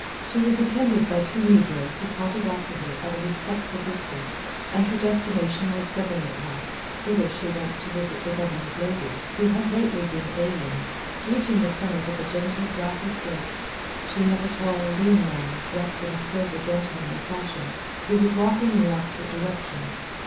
She was attended by two negroes who trotted after her at a respectful distance, and her destination was Government House, whither she went to visit the Governor's lady, who had lately been ailing. Reaching the summit of a gentle, grassy slope, she met a tall, lean man dressed in a sober, gentlemanly fashion, who was walking in the opposite direction.